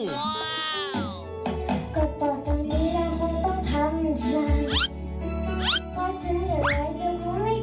ก็ต่อไปนี่แหละผมต้องทำช่วย